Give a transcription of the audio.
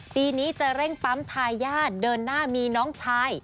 ปีนี้จะเร่งปั๊มทายาทเดินหน้ามีน้องชาย